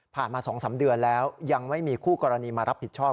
มา๒๓เดือนแล้วยังไม่มีคู่กรณีมารับผิดชอบ